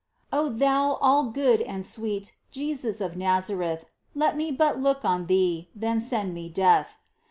O Thou all good and sweet, Jesus of Nazareth, Let me but look on Thee, Then send me death